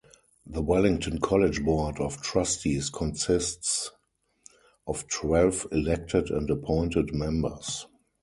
The Wellington College Board of Trustees consists of twelve elected and appointed members.